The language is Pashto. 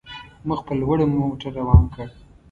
مخ په لوړه مو موټر روان کړ.